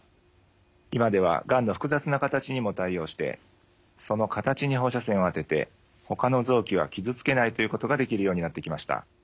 今ではがんの複雑な形にも対応してその形に放射線を当ててほかの臓器は傷つけないということができるようになってきました。